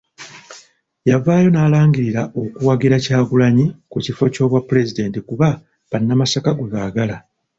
Yavaayo n'alangirira okuwagira Kyagulanyi ku kifo ky'obwapulezidenti, kuba bannamasaka gwe baagala.